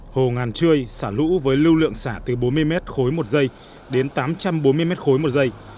hồ ngàn trươi xả lũ với lưu lượng xả từ bốn mươi mét khối một giây đến tám trăm bốn mươi mét khối một giây